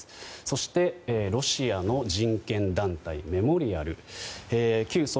そしてロシアの人権団体メモリアル。